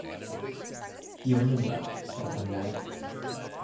He only left for one night.